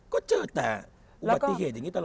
ก็เจอแต่อุบัติเหตุอย่างนี้ตลอด